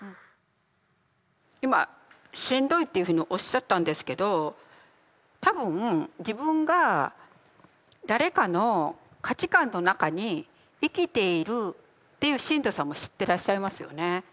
今「しんどい」っていうふうにおっしゃったんですけど多分自分が誰かの価値観の中に生きているっていうしんどさも知ってらっしゃいますよね。